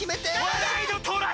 わらいのトライ！